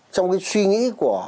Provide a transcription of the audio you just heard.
trong cái suy nghĩ